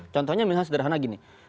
contohnya misalnya sederhana gini